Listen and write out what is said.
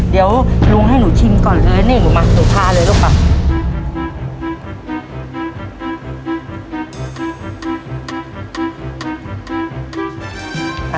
เดี๋ยวลุงให้หนูชิมก่อนเลยนี่หนูมาสุภาเลยลูกป่ะ